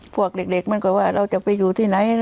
พวกเด็กมันก็ว่าเราจะไปอยู่ที่ไหน